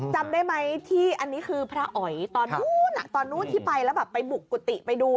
จำได้ไหมที่อันนี้คือพระอ๋อยตอนนู้นตอนนู้นที่ไปแล้วแบบไปบุกกุฏิไปดู